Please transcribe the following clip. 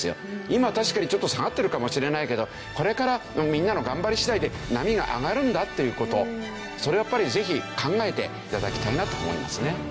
今は確かにちょっと下がってるかもしれないけどこれからみんなの頑張り次第で波が上がるんだっていう事それをやっぱりぜひ考えて頂きたいなと思いますね。